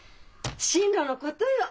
進路のことよ。